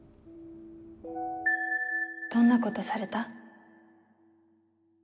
どんなことされた？